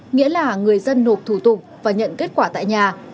nghĩa là người dân nộp thủ tục và nhận kết quả tại nhà